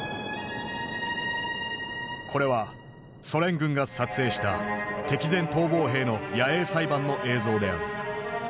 これはソ連軍が撮影した敵前逃亡兵の野営裁判の映像である。